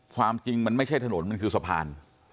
ความจริงมันไม่ใช่ถนนมันคือสะพาน